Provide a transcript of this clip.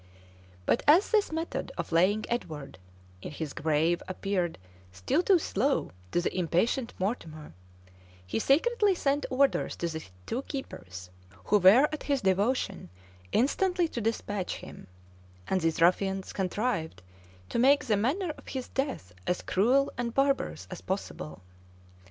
But as this method of laying Edward, in his grave appeared still too slow to the impatient Mortimer, he secretly sent orders to the two keepers, who were at his devotion instantly to despatch him: and these ruffians contrived to make the manner of his death as cruel and barbarous as possible.